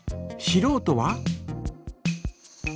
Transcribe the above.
しろうとは？